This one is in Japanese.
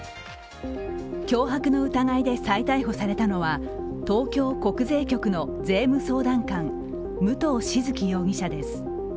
脅迫の疑いで再逮捕されたのは東京国税局の税務相談官、武藤静城容疑者です。